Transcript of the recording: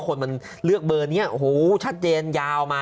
คนเลือกเบอร์เนี่ยชัดเจนยาวมา